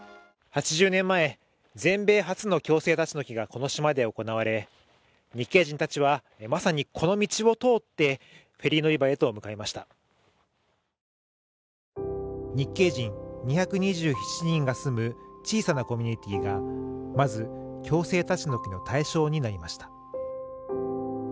８０年前全米初の強制立ち退きがこの島で行われ日系人たちはまさにこの道を通ってフェリー乗り場へと向かいました日系人２２７人が住む小さなコミュニティーがまず強制立ち退きの対象になりました